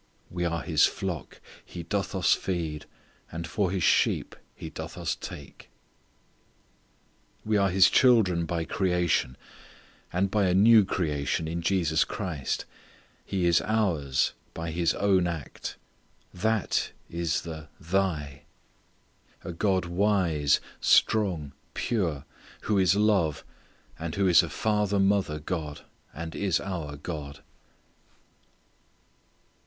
"We are His flock; He doth us feed. And for His sheep, He doth us take." We are His children by creation, and by a new creation in Jesus Christ. He is ours, by His own act. That is the "Thy" a God wise, strong, pure, who is love, and who is a Father mother God, and is our God.